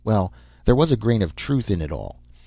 Well, there was a grain of truth in it all.